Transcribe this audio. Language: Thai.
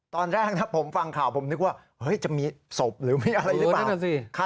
ตอนแรกนะผมฟังข่าวผมนึกว่าจะมีศพหรือมีอะไรหรือเปล่า